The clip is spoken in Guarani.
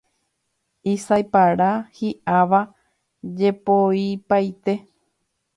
isái para, hi'áva jepoipaite